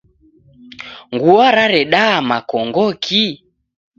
Ngua raredaa makongoki?